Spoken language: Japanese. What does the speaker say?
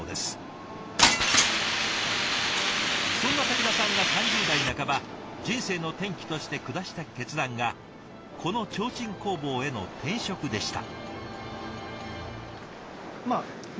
そんな武田さんが３０代半ば人生の転機として下した決断がこの提灯工房への転職でした。